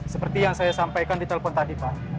seperti yang saya sampaikan di telepon tadi pak